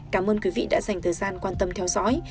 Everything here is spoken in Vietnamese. cảm ơn quý vị đã dành thời gian quan tâm theo dõi